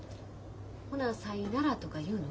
「ほなさいなら」とか言うの？